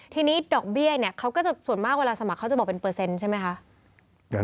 ทีนี้ดอกเบี้ยเนี่ยเขาก็จะส่วนมากเวลาสมัครเขาจะบอกเป็นเปอร์เซ็นต์ใช่ไหมคะ